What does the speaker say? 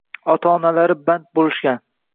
ota-onalari band bo‘lishgan.